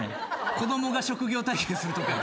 子供が職業体験するとこやから。